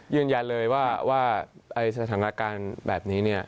ยืนยันเลยก็ว่าสถานการณ์แบบนี้